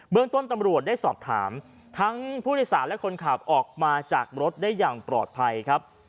เมืองต้นตำรวจได้สอบถามทั้งผู้โดยสารและคนขับออกมาจากรถได้อย่างปลอดภัยครับ